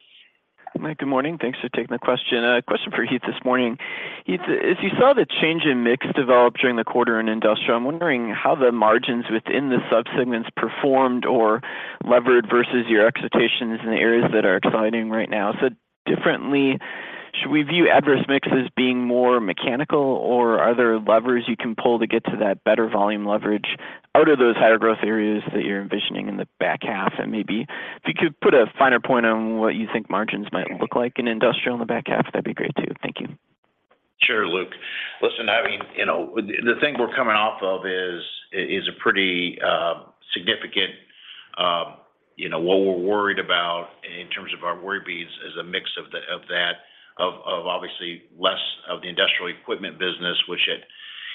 Good morning. Thanks for taking the question. A question for Heath this morning. Heath, as you saw the change in mix develop during the quarter in industrial, I'm wondering how the margins within the sub-segments performed or levered versus your expectations in the areas that are exciting right now. So differently, should we view adverse mix as being more mechanical, or are there levers you can pull to get to that better volume leverage out of those higher growth areas that you're envisioning in the back half? Maybe if you could put a finer point on what you think margins might look like in industrial in the back half, that'd be great too. Thank you. Sure, Luke. Listen, I mean, you know, the thing we're coming off of is a pretty significant, you know, what we're worried about in terms of our worry beads is a mix of the, of that, obviously less of the industrial equipment business, which it,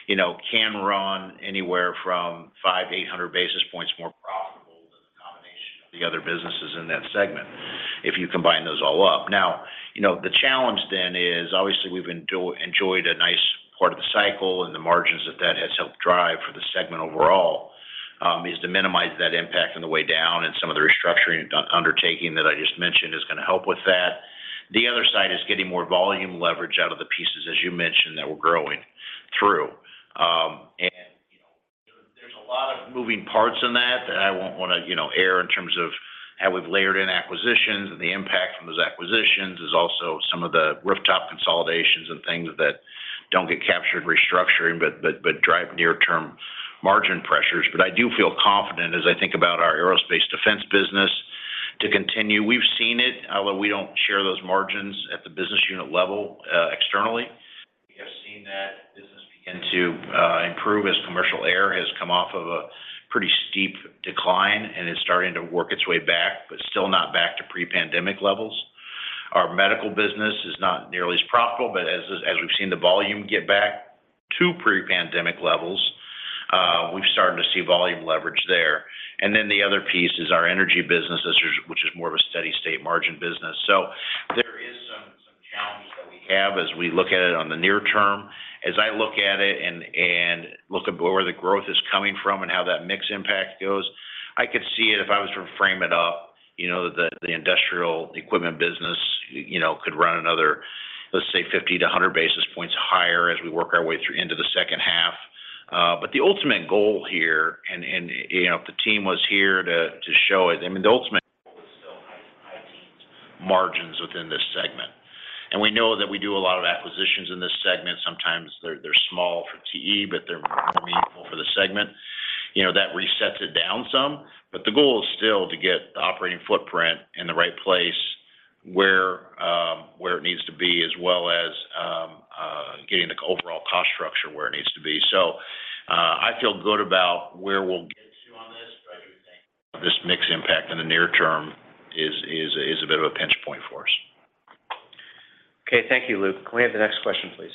you know, can run anywhere from 500-800 basis points more profitable than the combination of the other businesses in that segment if you combine those all up. Now, you know, the challenge then is obviously we've enjoyed a nice part of the cycle, and the margins that has helped drive for the segment overall is to minimize that impact on the way down. Some of the restructuring and undertaking that I just mentioned is gonna help with that. The other side is getting more volume leverage out of the pieces, as you mentioned, that we're growing through. You know, there's a lot of moving parts in that I won't wanna, you know, air in terms of how we've layered in acquisitions and the impact from those acquisitions. There's also some of the rooftop consolidations and things that don't get captured restructuring but drive near-term margin pressures. I do feel confident as I think about our aerospace defense business to continue. We've seen it, although we don't share those margins at the business unit level externally. We have seen that business begin to improve as commercial air has come off of a pretty steep decline and is starting to work its way back, but still not back to pre-pandemic levels. Our medical business is not nearly as profitable, but as we've seen the volume get back to pre-pandemic levels, we've started to see volume leverage there. The other piece is our energy business, which is more of a steady state margin business. There is some challenges that we have as we look at it on the near term. As I look at it and look at where the growth is coming from and how that mix impact goes, I could see it if I was to frame it up, you know, the industrial equipment business, you know, could run another, let's say 50-100 basis points higher as we work our way through into the second half. The ultimate goal here and, you know, if the team was here to show it, I mean, the ultimate goal is still high, high teens margins within this segment. We know that we do a lot of acquisitions in this segment. Sometimes they're small for TE, but they're more meaningful for the segment. You know, that resets it down some. The goal is still to get the operating footprint in the right place where it needs to be, as well as getting the overall cost structure where it needs to be. I feel good about where we'll get to on this, but I do think this mix impact in the near term is a bit of a pinch point for us. Okay. Thank you, Luke. Can we have the next question, please?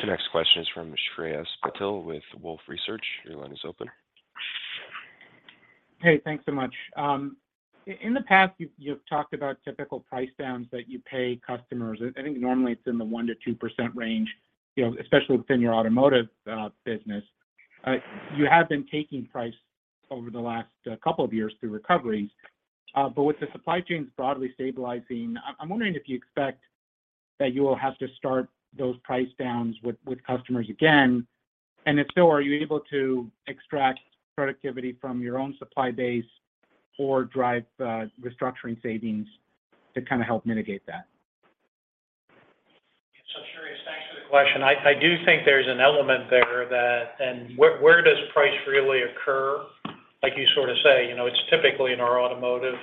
The next question is from Shreyas Patil with Wolfe Research. Your line is open. Hey. Thanks so much. In the past, you've talked about typical price downs that you pay customers. I think normally it's in the 1%-2% range, you know, especially within your automotive business. You have been taking price over the last couple of years through recoveries. But with the supply chains broadly stabilizing, I'm wondering if you expect that you will have to start those price downs with customers again. If so, are you able to extract productivity from your own supply base or drive restructuring savings to kind of help mitigate that? Shreyas, thanks for the question. I do think there's an element where does price really occur? Like you sort of say, you know, it's typically in our automotive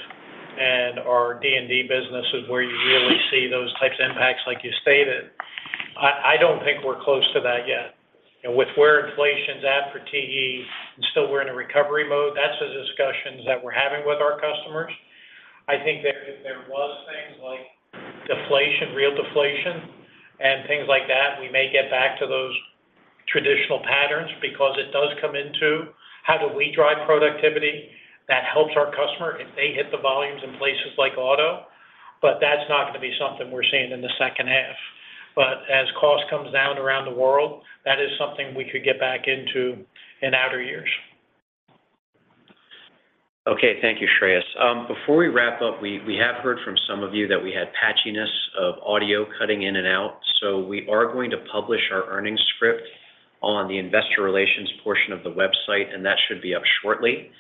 and our D&D businesses where you really see those types of impacts like you stated. I don't think we're close to that yet. You know, with where inflation's at for TE, and still we're in a recovery mode, that's the discussions that we're having with our customers. I think that if there was things like deflation, real deflation, and things like that, we may get back to those traditional patterns because it does come into how do we drive productivity that helps our customer if they hit the volumes in places like auto. That's not gonna be something we're seeing in the second half. As cost comes down around the world, that is something we could get back into in outer years. Okay. Thank you, Shreyas. Before we wrap up, we have heard from some of you that we had patchiness of audio cutting in and out. We are going to publish our earnings script on the Investor Relations portion of the website, and that should be up shortly.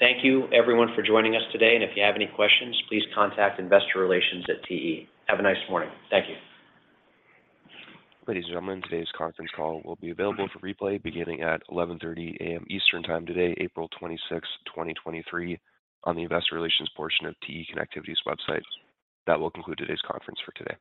Thank you everyone for joining us today. If you have any questions, please contact Investor Relations at TE. Have a nice morning. Thank you. Ladies and gentlemen, today's conference call will be available for replay beginning at 11:30 A.M. Eastern time today, April 26, 2023 on the investor relations portion of TE Connectivity's website. That will conclude today's conference for today.